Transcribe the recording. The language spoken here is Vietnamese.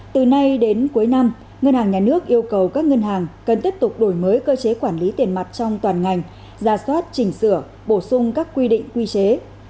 từ nay đến cuối năm ngân hàng nhà nước yêu cầu các ngân hàng cần tiếp tục đổi mới cơ chế quản lý tiền mặt trong toàn ngành giả soát chỉnh sửa bổ sung các cơ chế